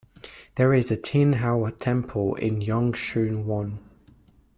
There is a Tin Hau Temple in Yung Shue Wan.